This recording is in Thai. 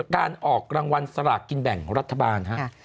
การออกรางวัลสลากกินแบ่งรัฐบาลครับ